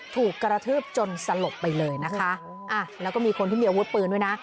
ถูกกระทืบจนสลบไปเลยนะคะอ่ะแล้วก็มีคนที่มีอาวุธปืนด้วยนะ